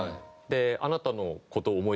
「あなたの事を思い出す」。